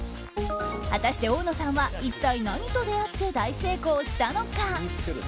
果たして大野さんは一体何と出会って大成功したのか。